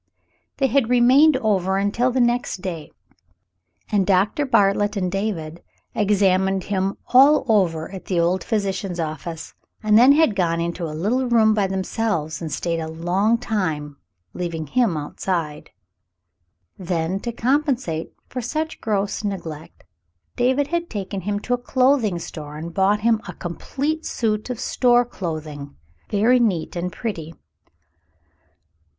They had remained over until the next day, and Doctor Bartlett and David had examined him all over at the old physician's office and then had gone into a little room by themselves and stayed a long time, leaving him outside. 198 The Summer Passes 199 Then, to compensate for such gross neglect, David had taken him to a clothing store and bought him a complete suit of store clothing, very neat and pretty.